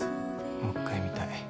もう１回見たい。